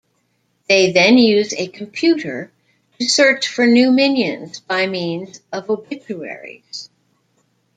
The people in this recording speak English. They then use a computer to search for new minions by means of obituaries.